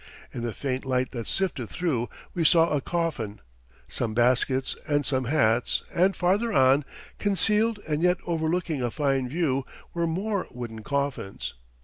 In the faint light that sifted through we saw a coffin, some baskets and some hats, and farther on, concealed and yet overlooking a fine view, were more wooden coffins.